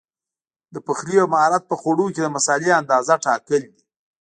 د پخلي یو مهارت په خوړو کې د مسالې اندازه ټاکل دي.